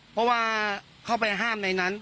เพราะว่าเข้าไปห้ามในนั้น